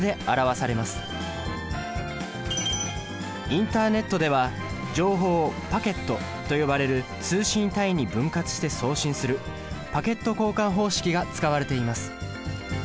インターネットでは情報をパケットと呼ばれる通信単位に分割して送信するパケット交換方式が使われています。